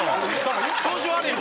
調子悪いわ。